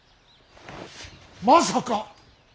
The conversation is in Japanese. まさか。